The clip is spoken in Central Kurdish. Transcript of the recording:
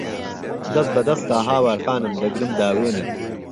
دەس به دەستا هاوار خانم، دەگرم داوێنت